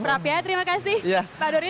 prap ya terima kasih pak dori